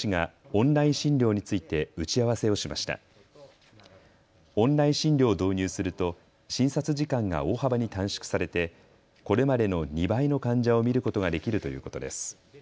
オンライン診療を導入すると診察時間が大幅に短縮されてこれまでの２倍の患者を診ることができるということです。